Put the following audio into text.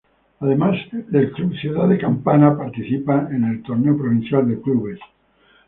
Además el Club Ciudad de Campana participa en el Torneo Provincial de Clubes.